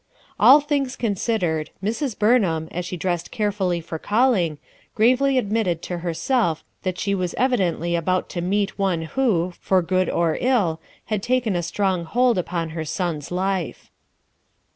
All things eonisdered, Mrs. Burnham, as she dressed carefully for calling, gravely admitted to herself that she was evidently about to meet WOULD SHE "DO"? 47 one who, for good or ill, had taken a strong hold upon her son's life.